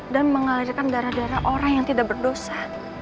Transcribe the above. dan menghalirkan darah darah orang yang tidak berdosa